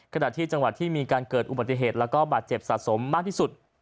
ขณะที่จังหวัดที่มีการเกิดอุบัติเหตุแล้วก็บาดเจ็บสะสมมากที่สุด